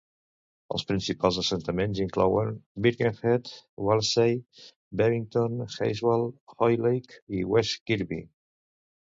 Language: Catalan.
Els principals assentaments inclouen Birkenhead, Wallasey, Bebington, Heswall, Hoylake i West Kirby.